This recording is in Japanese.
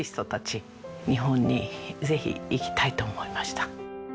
日本にぜひ行きたいと思いました。